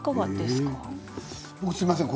すみません。